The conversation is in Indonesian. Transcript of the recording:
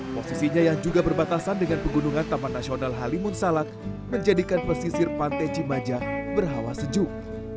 posisinya yang juga berbatasan dengan pegunungan taman nasional halimun salak menjadikan pesisir pantai cimaja berhawa sejuk